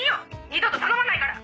二度と頼まないから！